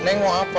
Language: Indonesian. neng mau apa